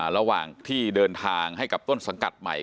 ระหว่างที่เดินทางให้กับต้นสังกัดใหม่